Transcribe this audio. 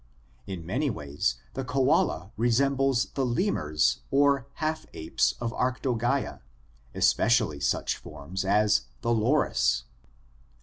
In many ways the koala resembles the lemurs or half apes of Arctogaea, especially such forms as the loris, Nycticebus.